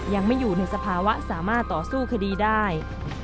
ยังไม่อยู่ในสภาวะสามารถต่อสู้คดีได้